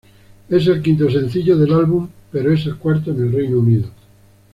Es el quinto sencillo del álbum, pero es el cuarto en el Reino Unido.